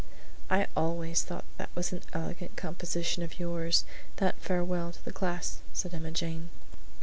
"I always thought that was an elegant composition of yours that farewell to the class," said Emma Jane.